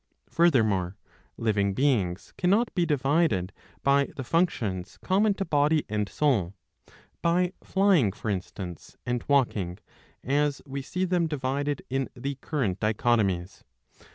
643 a. Furthermore living beings [cannot be divided] by the functions common to body and soul, by Flying, for instance, and Walking, as we see them divided in the current dichotomies.